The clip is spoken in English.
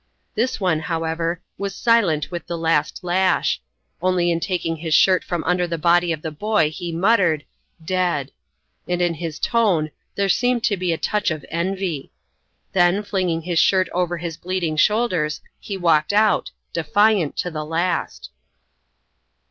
This one, however, was silent with the last lash; only in taking his shirt from under the body of the boy, he muttered, "Dead!" and in his tone there seemed to be a touch of envy. Then, flinging his shirt over his bleeding shoulders, he walked out defiant to the last.